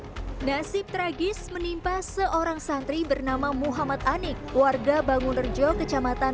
hai nasib tragis menimpa seorang santri bernama muhammad anik warga bangunerjo kecamatan